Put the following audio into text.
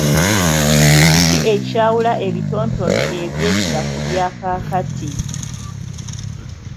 Kiki ekyawula ebitontome eby’edda ku bya kaakati?